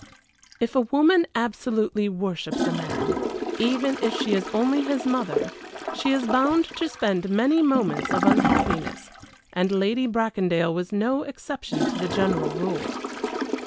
If a woman absolutely worships a man, even if she is only his mother, she is bound to spend many moments of unhappiness, and Lady Bracondale was no exception to the general rule.